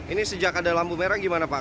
ini sejak ada lampu merah gimana pak